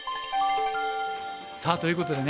さあということでね